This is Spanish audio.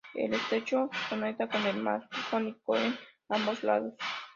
El estrecho conecta con el Mar Jónico en ambos lados.